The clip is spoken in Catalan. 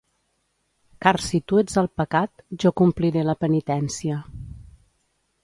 Car si tu ets el pecat, jo compliré la penitència.